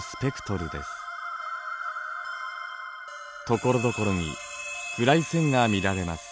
ところどころに暗い線が見られます。